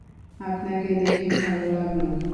আপনাকে দেখে ভালো লাগলো।